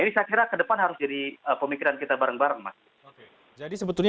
ini saya kira ke depan harus jadi pemikiran kita bareng bareng mas